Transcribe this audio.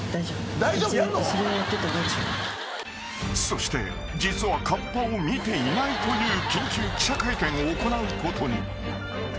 ［そして実はカッパを見ていないという緊急記者会見を行うことに］